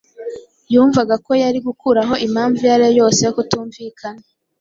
bumvaga ko yari gukuraho impamvu iyo ari yo yose yo kutumvikana.